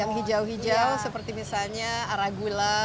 yang hijau hijau seperti misalnya aragula